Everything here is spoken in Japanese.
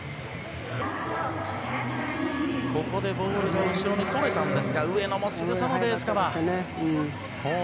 ここでボールが後ろにそれたんですが、上野もすぐさまベースカバー。